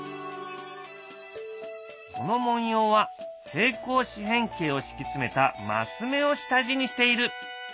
この文様は平行四辺形を敷き詰めたマス目を下地にしている。